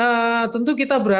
ya tentu kita berharap